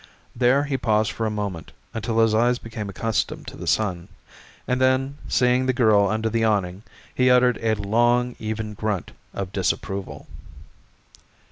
There he paused for a moment until his eyes became accustomed to the sun, and then seeing the girl under the awning he uttered a long even grunt of disapproval.